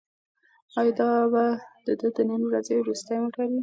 ایا دا به د ده د نن ورځې وروستی موټر وي؟